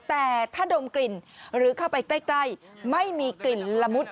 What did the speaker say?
แต่ถ้าดมกลิ่นหรือเข้าไปใกล้ไม่มีกลิ่นละมุด